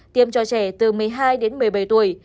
tiêm cho trẻ từ một mươi hai đến một mươi bảy tuổi